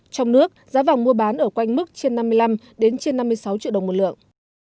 trong nước giá vàng mua bán ở quanh mức trên năm mươi năm năm mươi sáu triệu đồng một lượng